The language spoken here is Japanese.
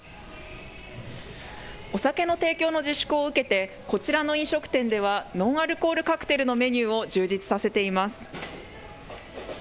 お酒の提供の自粛を受けて、こちらの飲食店では、ノンアルコールカクテルのメニューを充実させています。